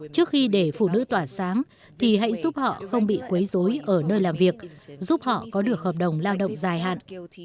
trước khi để phụ nữ tỏa sáng thì hãy giúp họ không bị quấy dối ở nơi làm việc giúp họ có được hợp đồng lao động dài hạn